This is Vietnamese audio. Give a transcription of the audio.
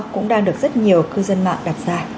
cũng đang được rất nhiều cư dân mạng đặt ra